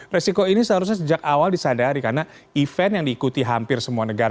resiko ini seharusnya sejak awal disadari karena event yang diikuti hampir semua negara